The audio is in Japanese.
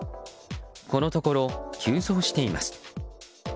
このところ、急増しています。